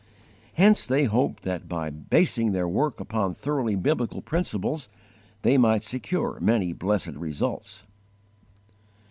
Hence they hoped that by basing their work upon thoroughly biblical principles they might secure many blessed results.